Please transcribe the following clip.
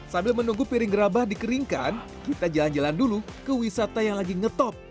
sambil menunggu piring gerabah dikeringkan kita jalan jalan dulu ke wisata yang lagi ngetop